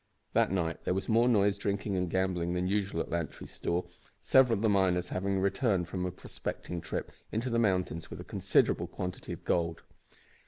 That night there was more noise, drinking, and gambling than usual at Lantry's store, several of the miners having returned from a prospecting trip into the mountains with a considerable quantity of gold.